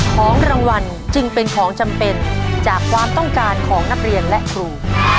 ของรางวัลจึงเป็นของจำเป็นจากความต้องการของนักเรียนและครู